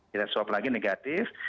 kita swab lagi negatif